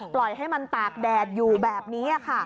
ปล่อยให้มันตากแดดอยู่แบบนี้ค่ะ